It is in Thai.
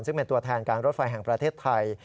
ซึ่งเป็นตัวแทนการรถไฟแห่งประเทศไทย